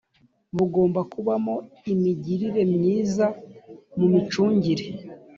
bugomba kubamo imigirire myiza mu micungire